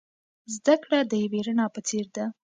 زده کړه د یوې رڼا په څیر ده.